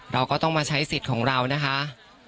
เราก็ต้องมาใช้สิทธิ์ของเรานะคะ